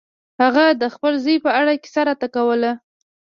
هغه د خپل زوی په اړه کیسه راته کوله.